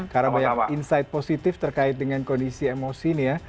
karena banyak insight positif terkait dengan kondisi emosi ini ya